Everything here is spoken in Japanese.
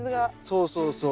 そうそうそう。